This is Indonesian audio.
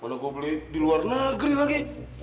mana gw beli di luar negeri lagi